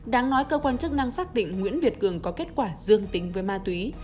đáng nói cơ quan chức năng xác định nguyễn việt cường có kết quả dương tính với ma túy